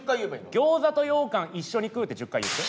「ギョーザとようかん一緒に食う」って１０回言って。